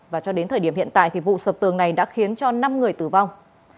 và cho đến thời điểm hiện tại thì vụ sập tường này đã khiến cho năm người tử vong